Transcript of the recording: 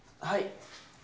はい。